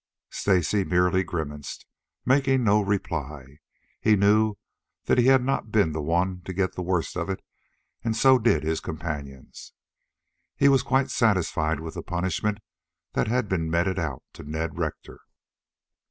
Stacy merely grimaced, making no reply. He knew that he had not been the one to get the worst of it, and so did his companions. He was quite satisfied with the punishment that had been meted out to Ned Rector.